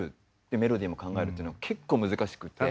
でメロディーも考えるっていうのは結構難しくって。